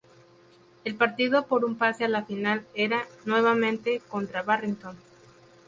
El partido por un pase a la final era, nuevamente, contra Barrington.